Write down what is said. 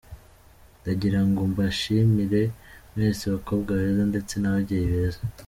Ndagirango mbashimire mwese bakobwa beza ndetse n’ababyeyi beza….